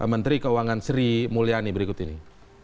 menteri keuangan sri mulyani berikut ini